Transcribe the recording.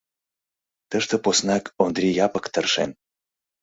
Тыште поснак Ондри Япык тыршен.